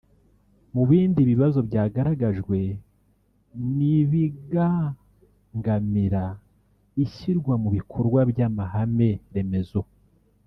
Mu bindi bibazo byagaragajwe nk’ibigangamira ishyirwa mu bikorwa ry’amahame remezo